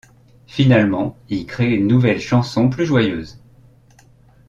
Finalement, il crée une nouvelle chanson plus joyeuse.